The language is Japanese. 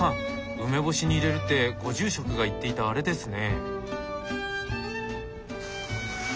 梅干しに入れるってご住職が言っていたあれですね。